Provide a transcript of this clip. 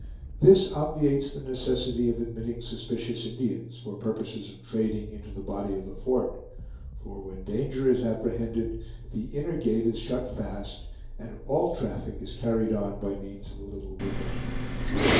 This obviates the necessity of admitting suspicious Indians, for purposes of trading, into the body of the fort; for when danger is apprehended, the inner gate is shut fast, and all traffic is carried on by means of the little window.